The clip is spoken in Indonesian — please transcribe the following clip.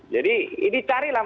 jadi carilah menteri